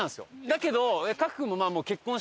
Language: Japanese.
だけど。